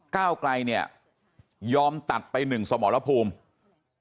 ก้าวไกลเนี่ยยอมตัดไป๑สมรภูมิ